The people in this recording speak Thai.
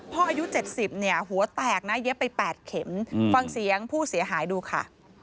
อายุ๗๐เนี่ยหัวแตกนะเย็บไป๘เข็มฟังเสียงผู้เสียหายดูค่ะ